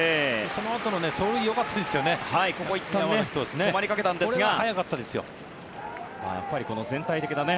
そのあとの走塁よかったですよね。